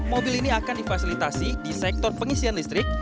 mobil ini akan difasilitasi di sektor pengisian listrik